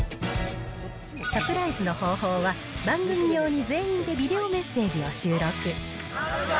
サプライズの方法は、番組用に全員でビデオメッセージを収録。